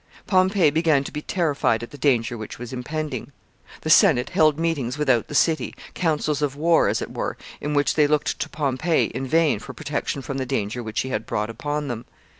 Pompey began to be terrified at the danger which was impending. The Senate held meetings without the city councils of war, as it were, in which they looked to Pompey in vain for protection from the danger which he had brought upon them.